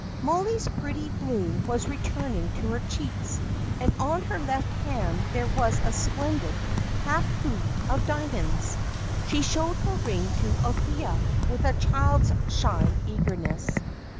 Mollie's pretty bloom was returning to her cheeks, and on her left hand there was a splendid half hoop of diamonds. She showed her ring to Althea, with a child's shy eagerness.